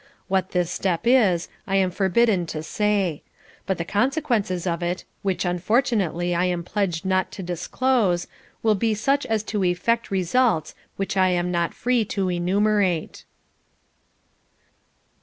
What this step is, I am forbidden to say. But the consequences of it which unfortunately I am pledged not to disclose will be such as to effect results which I am not free to enumerate."